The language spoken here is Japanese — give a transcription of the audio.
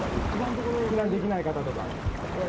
避難できない方とか。